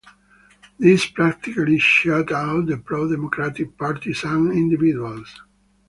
This practically shut out the pro-democratic parties and individuals.